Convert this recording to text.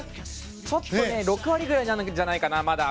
ちょっと６割ぐらいじゃないかなまだ。